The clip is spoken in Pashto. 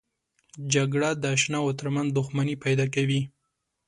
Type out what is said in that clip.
جګړه د اشناو ترمنځ دښمني پیدا کوي